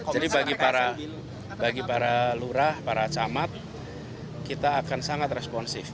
jadi bagi para lurah para camat kita akan sangat responsif